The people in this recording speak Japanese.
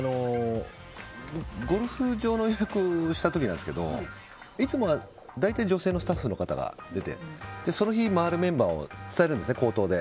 ゴルフ場の予約をした時なんですけどいつも大体女性のスタッフの方が出てその日、回るメンバーを口頭で伝えるんですね。